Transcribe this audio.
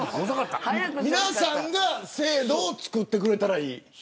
皆さんが制度を作ってくれたらいい。